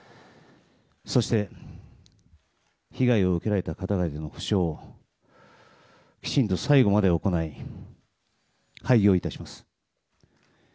そして、被害を受けられた方たちの補償をきちんと最後まで行い廃業いたします。